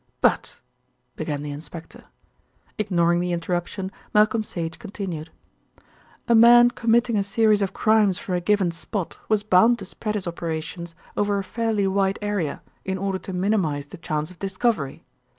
"But " began the inspector. Ignoring the interruption Malcolm Sage continued. "A man committing a series of crimes from a given spot was bound to spread his operations over a fairly wide area in order to minimise the chance of discovery.